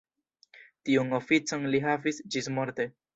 Tiun oficon li havis ĝismorte.